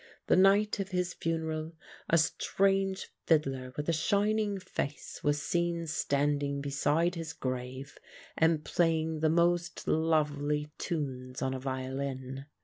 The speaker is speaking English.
The night of his funeral a strange fiddler with a shining face was seen standing beside his grave and playing the most lovely tunes on a violin.